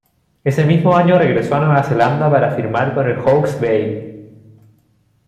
Ese mismo año regresó a Nueva Zelanda para firmar con el Hawke's Bay.